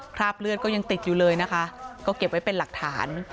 คราบเลือดก็ยังติดอยู่เลยนะคะก็เก็บไว้เป็นหลักฐาน